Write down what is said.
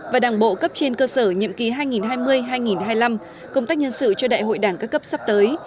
và đảng bộ cấp trên cơ sở nhiệm kỳ hai nghìn hai mươi hai nghìn hai mươi năm công tác nhân sự cho đại hội đảng các cấp sắp tới